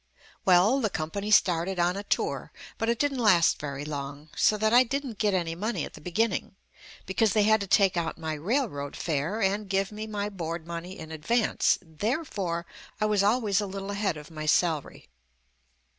Well, the company started on a tour, but it didn't last very long, so that I didn't get any JUST ME money at the beginning, because they had to take out my railroad fare and give me my board money in advance, therefore, I was always a little ahead of my salary.